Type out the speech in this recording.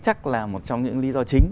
chắc là một trong những lý do chính